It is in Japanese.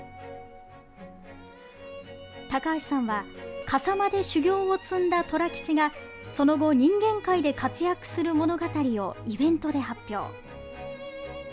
高橋さんは笠間で修行を積んだ寅吉がその後、人間界で活躍する物語をイベントで発表。